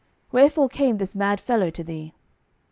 wherefore came this mad fellow to thee?